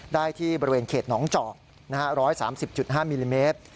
ได้ที่บริเวณเขตหนองเจาะ๑๓๐๕มิลลิเมตร